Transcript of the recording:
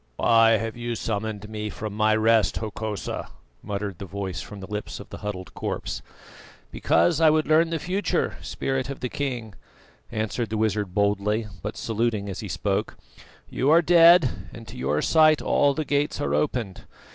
"Why have you summoned me from my rest, Hokosa?" muttered the voice from the lips of the huddled corpse. "Because I would learn the future, Spirit of the king," answered the wizard boldly, but saluting as he spoke. "You are dead, and to your sight all the Gates are opened.